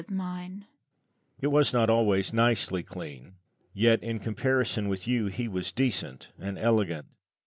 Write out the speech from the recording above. It was not always nicely clean; yet, in comparison with you, he was decent and elegant.